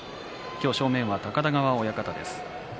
正面は高田川親方です。